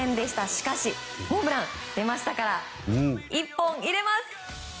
しかしホームランが出ましたから１本入れます。